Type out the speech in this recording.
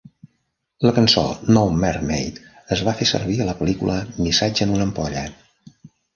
La cançó "No Mermaid" es va fer servir a la pel·lícula "Missatge en una ampolla".